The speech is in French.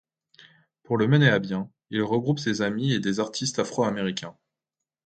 Pour le mener à bien, il regroupe ses amis et des artistes afro-américains.